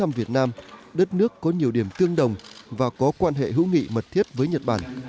thăm việt nam đất nước có nhiều điểm tương đồng và có quan hệ hữu nghị mật thiết với nhật bản